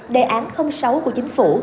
đề án sáu của chính phủ